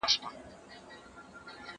چي د عقل فکر لاس پکښي تړلی